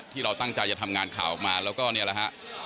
ที่เราตั้งใจจะทำงานข่าวออกมาแล้วก็นี่แหละฮะ